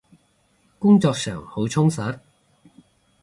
工作上好充實？